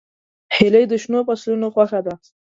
هیلۍ د شنو فصلونو خوښه ده